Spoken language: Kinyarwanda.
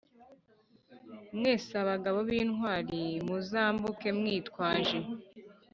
Mwese abagabo b intwari muzambuke mwitwaje